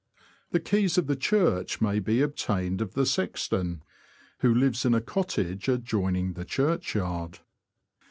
The keys of the church may be obtained of the sexton, who lives in a cottage adjoining the churchyard.